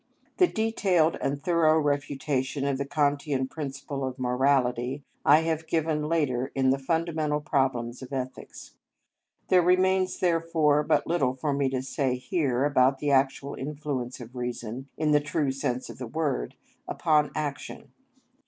The detailed and thorough refutation of this Kantian principle of morality I have given later in the "Fundamental Problems of Ethics." There remains, therefore, but little for me to say here about the actual influence of reason, in the true sense of the word, upon action.